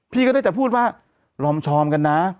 พี่ก็ได้แต่พูดว่าลอมชอมกันนะ